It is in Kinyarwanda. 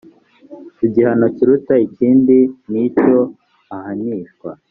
igihano kiruta ikindi nicyo ahanishwa.